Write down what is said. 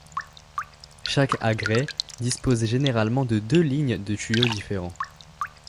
Chaque agrès dispose généralement de deux lignes de tuyaux différents.